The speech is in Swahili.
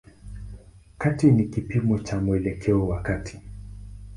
Kati ni kipimo cha mwelekeo wa kati.